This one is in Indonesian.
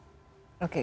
karena itu paralel dengan